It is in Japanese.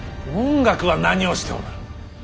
文覚は何をしておる。